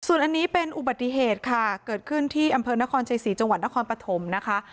ส่วนอันนี้เป็นอุบัติเหตุค่ะเกิดขึ้นที่อำเภอนครชัยศรีจังหวัดนครปฐมนะคะ